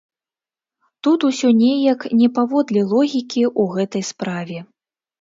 Тут усё неяк не паводле логікі ў гэтай справе.